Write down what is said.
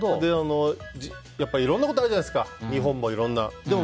いろんなことあるじゃないですか日本もいろんな。